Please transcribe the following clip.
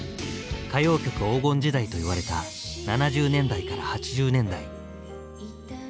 歌謡曲黄金時代といわれた７０年代から８０年代。